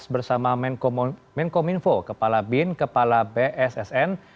bersama menko minfo kepala bin kepala bssn